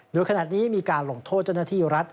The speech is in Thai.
โดยขนาดนี้มีการหลงโทษจนที่รัฐ